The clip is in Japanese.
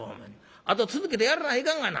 あと続けてやらないかんがな」。